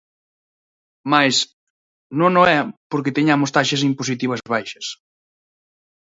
Mais, non o é porque teñamos taxas impositivas baixas.